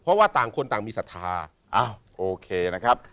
เพราะว่าต่างคนต่างมีศรัทธาอ้าวโอเคนะครับ